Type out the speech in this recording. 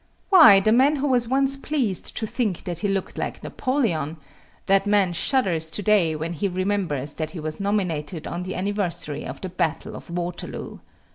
Why, the man who was once pleased to think that he looked like Napoleon that man shudders today when he remembers that he was nominated on the anniversary of the battle of Waterloo.